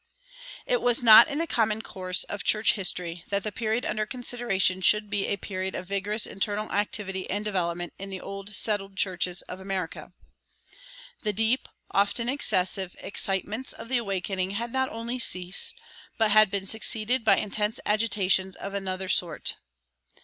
It was not in the common course of church history that the period under consideration should be a period of vigorous internal activity and development in the old settled churches of America. The deep, often excessive, excitements of the Awakening had not only ceased, but had been succeeded by intense agitations of another sort.